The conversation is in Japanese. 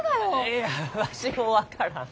いやわしも分からん。